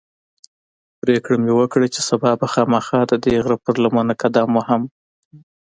پرېکړه مې وکړه چې سبا به خامخا ددې غره پر لمنه قدم وهم.